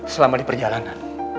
selama di perjalanan